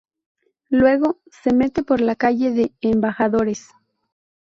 Luego, se mete por la Calle de Embajadores.